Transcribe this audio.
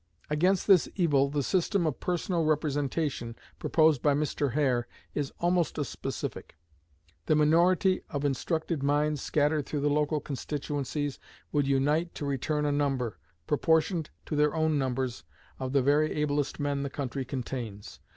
Against this evil the system of personal representation proposed by Mr. Hare is almost a specific. The minority of instructed minds scattered through the local constituencies would unite to return a number, proportioned to their own numbers, of the very ablest men the country contains.